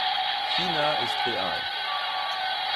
China ist real.